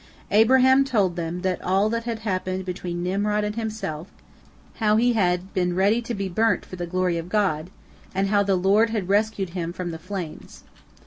Abraham told them all that had happened between Nimrod and himself, how he had been ready to be burnt for the glory of God, and how the Lord had rescued him from the flames.